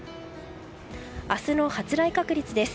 明日の発雷確率です。